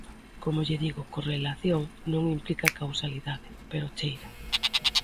Como lle digo, correlación non implica causalidade, pero cheira.